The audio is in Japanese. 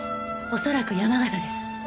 恐らく山形です。